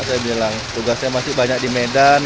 saya bilang tugas saya masih banyak di medan